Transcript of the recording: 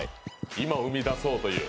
今、生み出そうという。